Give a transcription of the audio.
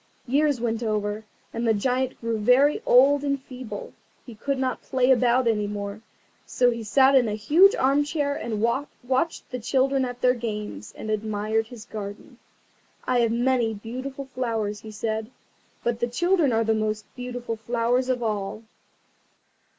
Years went over, and the Giant grew very old and feeble. He could not play about any more, so he sat in a huge armchair, and watched the children at their games, and admired his garden. "I have many beautiful flowers," he said; "but the children are the most beautiful flowers of all."